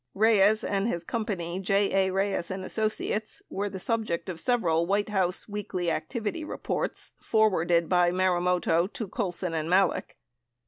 Reyes and his company, J. A. Reyes & Associates, were the sub ject of several "White House "Weekly Activity Reports," forwarded by Marumoto to Colson and Malek.